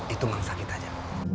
itu memang sakit aja